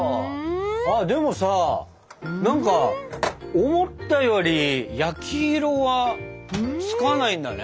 でもさ何か思ったより焼き色はつかないんだね。